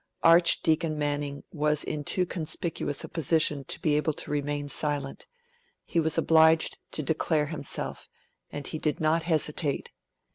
Archdeacon Manning was in too conspicuous a position to be able to remain silent; he was obliged to declare himself, and he did not hesitate.